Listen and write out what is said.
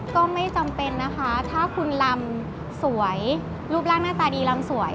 ก็ไม่จำเป็นนะคะถ้าคุณลำสวยรูปร่างหน้าตาดีลำสวย